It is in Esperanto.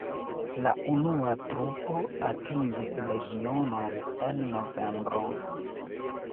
La unua trupo atingis regionon en novembro.